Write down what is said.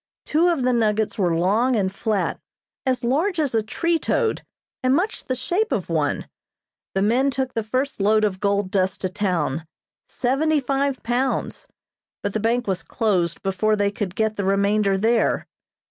Two of the nuggets were long and flat, as large as a tree toad, and much the shape of one. The men took the first load of gold dust to town seventy five pounds but the bank was closed before they could get the remainder there.